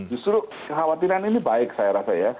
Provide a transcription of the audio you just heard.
justru kekhawatiran ini baik saya rasa ya